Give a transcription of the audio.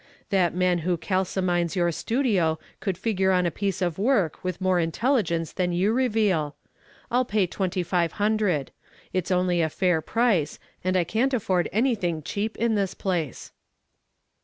"That man who calcimines your studio could figure on a piece of work with more intelligence than you reveal. I'll pay $2,500. It's only a fair price, and I can't afford anything cheap in this place."